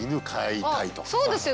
そうですよ。